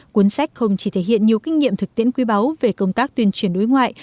cuốn sách không chỉ thể hiện nhiều kinh nghiệm thực tiễn quý báu về công tác tuyên truyền đối ngoại